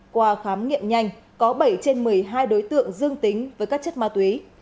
qua khám nghiệm nhanh có bảy trên một mươi hai đối tượng dương tính với các chất ma túy